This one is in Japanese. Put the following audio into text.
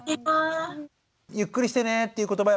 「ゆっくりしてね」っていう言葉